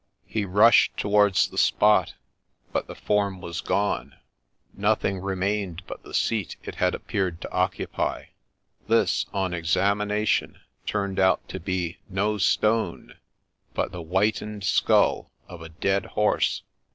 He rushed towards the spot, but the form was gone ;— nothing remained but the seat it had appeared to occupy. This, on examination, turned out to be no stone, but the whitened skull of a dead horse